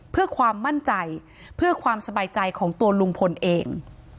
เพื่อความมั่นใจเพื่อความสบายใจของตัวลุงพลเอง